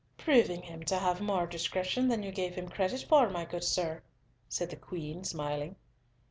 "Proving him to have more discretion than you gave him credit for, my good sir," said the Queen, smiling.